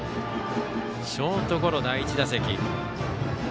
ショートゴロ、第１打席。